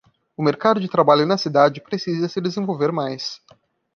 O Mercado de trabalho na cidade precisa se desenvolver mais